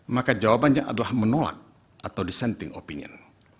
maka jawabannya adalah menolak atau dissenting opinion